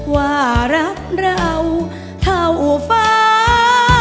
ว่ารักเราเท่าฟ้า